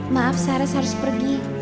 maaf saras harus pergi